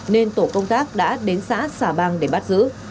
nên tổ công tác đã đến xã xà bang để bắt giữ